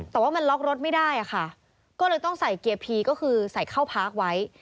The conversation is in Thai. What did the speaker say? แต่ว่ามันล็อกรถไม่ได้อะค่ะก็เลยต้องใส่เกียร์พีก็คือใส่เข้าพาร์คไว้